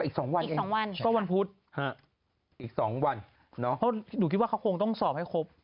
อีก๒วันเองอีก๒วันปุ๊บหนูคิดว่าเขาคงต้องสอบให้ครบ